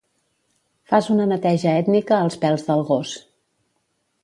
Fas una neteja ètnica als pèls del gos.